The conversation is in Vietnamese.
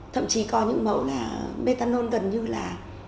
thậm chí có những mẫu là methanol gần như là một trăm linh